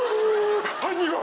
犯人は！